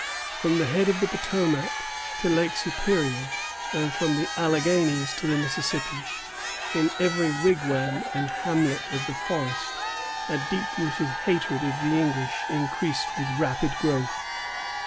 From the head of the Potomac to Lake Superior, and from the Alleghanies to the Mississippi, in every wigwam and hamlet of the forest, a deep rooted hatred of the English increased with rapid growth.